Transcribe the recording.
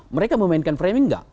mereka memainkan framing nggak